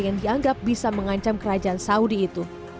yang dianggap bisa mengancam kerajaan saudi itu